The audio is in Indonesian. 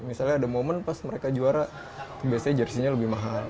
misalnya ada momen pas mereka juara biasanya jersinya lebih mahal